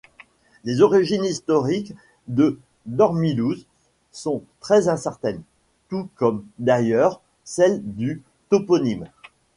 Les origines historiques de Dormillouse sont très incertaines, tout comme d’ailleurs celles du toponyme.